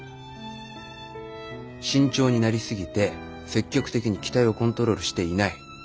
慎重になり過ぎて積極的に機体をコントロールしていない。